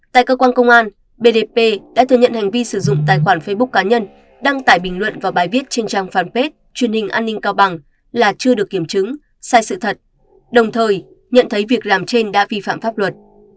tại cơ quan công an bdp đã thừa nhận hành vi sử dụng tài khoản facebook cá nhân đăng tải bình luận vào bài viết trên trang fanpage truyền hình an ninh cao bằng là chưa được kiểm chứng sai sự thật đồng thời nhận thấy việc làm trên đã vi phạm pháp luật